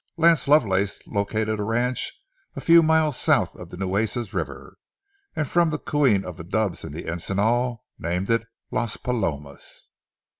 Lance Lovelace located a ranch a few miles south of the Nueces River, and, from the cooing of the doves in the encinal, named it Las Palomas.